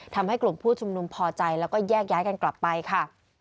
ทำให้กลุ่มผู้ชุมนุมพอใจแล้วก็แยกย้ายกันกลับไปค่ะ